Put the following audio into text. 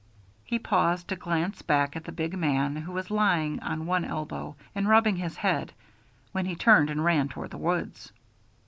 He paused to glance back at the big man, who was lying on one elbow and rubbing his head, then he turned and ran toward the woods.